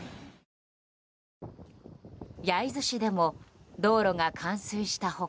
焼津市でも道路が冠水した他。